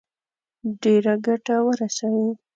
ډېره ګټه ورسوي.